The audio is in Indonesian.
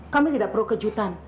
kami tidak perlu kejutan